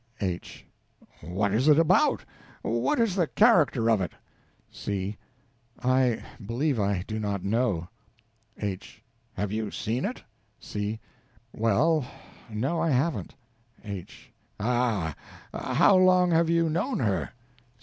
H. What is it about? What is the character of it? C. I believe I do not know. H. Have you seen it? C. Well no, I haven't. H. Ah h. How long have you known her?